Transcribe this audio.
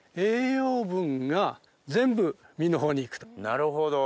なるほど。